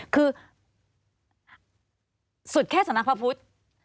คือสุดแค่สำนักพระพุทธ